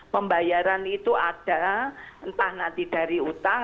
pembayaran itu ada entah nanti dari utang